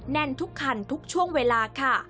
แน่นทุกคันทุกช่วงเวลาค่ะ